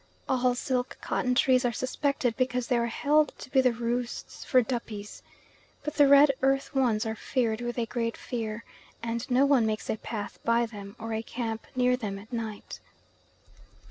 All silk cotton trees are suspected because they are held to be the roosts for Duppies. But the red earth ones are feared with a great fear, and no one makes a path by them, or a camp near them at night.